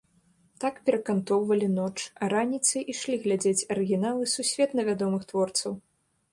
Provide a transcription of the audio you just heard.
Так перакантоўвалі ноч, а раніцай ішлі глядзець арыгіналы сусветна вядомых творцаў.